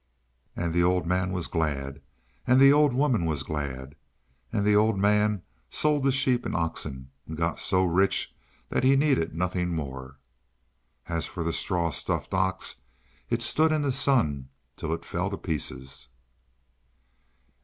And the old man was glad, and the old woman was glad. And the old man sold the sheep and oxen, and got so rich that he needed nothing more. As for the straw stuffed ox, it stood in the sun till it fell to pieces.